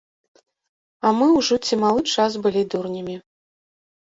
А мы ўжо ці малы час былі дурнямі?